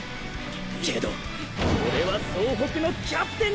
けどオレは総北のキャプテンなんだ！